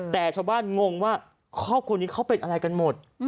แต่ชาวบ้านงงว่าครอบครัวนี้เขาเป็นอะไรกันหมด